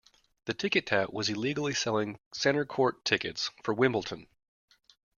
The ticket tout was illegally selling Centre Court tickets for Wimbledon